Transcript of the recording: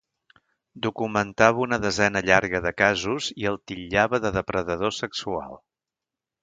Documentava una desena llarga de casos i el titllava de depredador sexual.